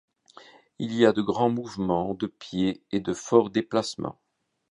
Il y a de grands mouvements de pieds et de forts déplacements.